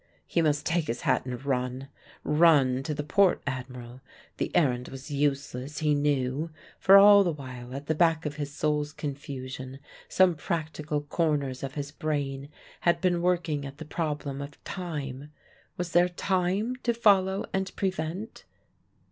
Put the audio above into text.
He must take his hat and run run to the Port Admiral. The errand was useless, he knew; for all the while at the back of his soul's confusion some practical corners of his brain had been working at the problem of time was there time to follow and prevent?